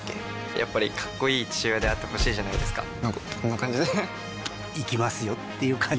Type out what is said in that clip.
やっぱりかっこいい父親であってほしいじゃないですかなんかこんな感じで行きますよっていう感じです